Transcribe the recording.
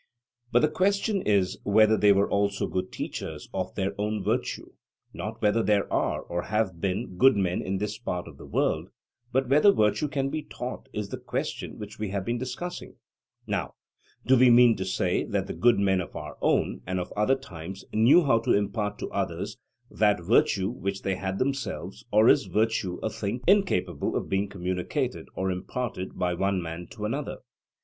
But the question is whether they were also good teachers of their own virtue; not whether there are, or have been, good men in this part of the world, but whether virtue can be taught, is the question which we have been discussing. Now, do we mean to say that the good men of our own and of other times knew how to impart to others that virtue which they had themselves; or is virtue a thing incapable of being communicated or imparted by one man to another?